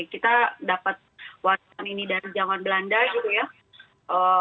kita dapat warna ini dari jawa belanda gitu ya